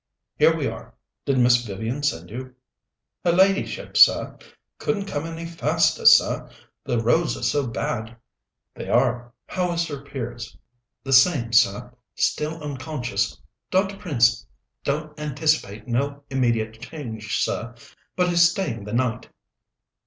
"Here we are! Did Miss Vivian send you?" "Her ladyship, sir. Couldn't come any faster, sir; the roads are so bad." "They are. How is Sir Piers?" "The same, sir still unconscious. Dr. Prince don't anticipate no immediate change, sir, but he's staying the night."